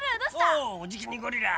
おおおじきにゴリラ！